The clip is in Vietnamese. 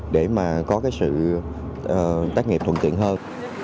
để mà có cái sự tác nghiệp thuận tiện hơn